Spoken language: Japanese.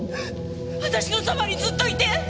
私のそばにずっといて！